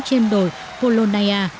trên đồi polonia